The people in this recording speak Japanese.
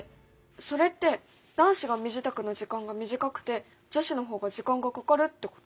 それって男子が身支度の時間が短くて女子の方が時間がかかるってこと？